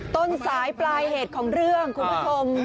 ต้นสายปลายเหตุของเรื่องคุณผู้ชม